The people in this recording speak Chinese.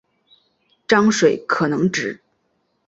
章水可能指